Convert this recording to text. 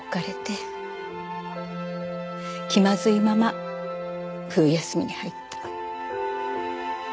気まずいまま冬休みに入った。